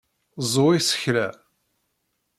Ẓẓu isekla!